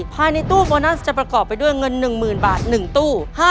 ภายในตู้โบนัสจะประกอบไปด้วยเงิน๑๐๐๐บาท๑ตู้